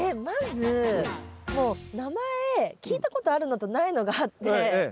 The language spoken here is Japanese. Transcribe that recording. まずもう名前聞いたことあるのとないのがあって。